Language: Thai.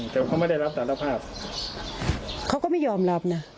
แต่เขาไม่ได้รับสารภาพเขาก็ไม่ยอมรับนะ